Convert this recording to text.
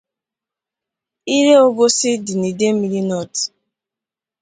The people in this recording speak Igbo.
Ire Obosi dị n'Idemili North'